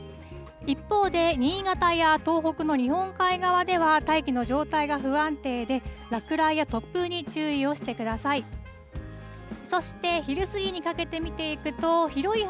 一方で新潟や東北の日本海側では、大気の状態が不安定で、落雷や突風に注意をしてください。